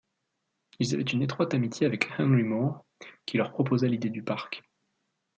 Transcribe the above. Ils avaient une étroite amitié avec Henry Moore, qui leur proposa l’idée du parc.